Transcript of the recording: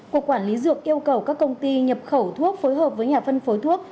cục quản lý dược yêu cầu các công ty nhập khẩu thuốc phối hợp với nhà phân phối thuốc